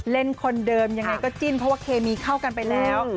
คนเดิมยังไงก็จิ้นเพราะว่าเคมีเข้ากันไปแล้ว